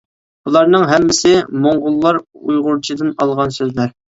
بۇلارنىڭ ھەممىسى موڭغۇللار ئۇيغۇرچىدىن ئالغان سۆزلەر.